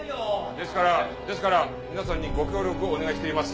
ですからですから皆さんにご協力をお願いしています。